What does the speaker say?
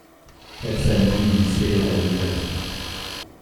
Chaque samedi, ils y célèbrent l'Eucharistie.